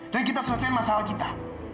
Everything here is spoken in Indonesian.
dan kita selesai masalah kita